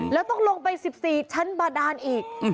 แล้วต้องลงไป๑๔ชั้นบาดานอีก